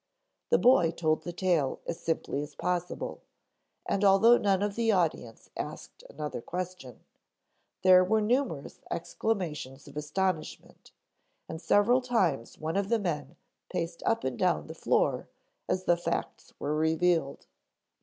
The boy told the tale as simply as possible, and although none of the audience asked another question, there were numerous exclamations of astonishment, and several times one of the men paced up and down the floor as the facts were revealed.